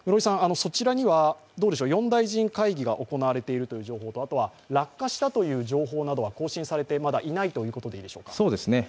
そちらには、４大臣会議が行われているという情報とあとは落下したという情報などは更新されていないということでいいでしょうか。